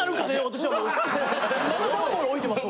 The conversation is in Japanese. まだ段ボール置いてます。